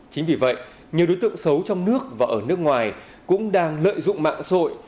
chính vì vậy nhiều đối tượng xấu trong nước và ở nước ngoài cũng đang lợi dụng mạng sội